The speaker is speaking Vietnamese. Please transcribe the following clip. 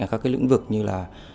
ở các lĩnh vực như là